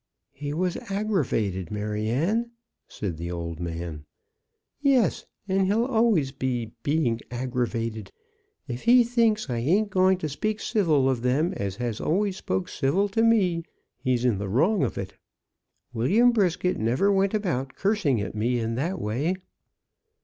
"He was aggravated, Maryanne," said the old man. "Yes, and he'll always be being aggravated. If he thinks as I ain't going to speak civil of them as has always spoke civil to me, he's in the wrong of it. William Brisket never went about cursing at me in that way."